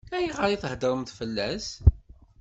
Ayɣer i theddṛemt fell-as?